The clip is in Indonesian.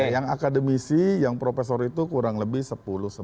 yang akademisi yang profesor itu kurang lebih sepuluh sebelas